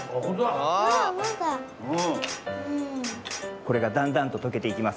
これがだんだんととけていきます。